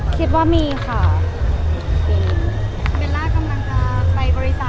เบลล่ากำลังการไปบริษัทของให้เด็ก